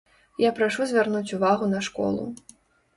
Я прашу звярнуць увагу на школу.